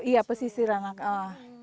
iya pesisir anak anak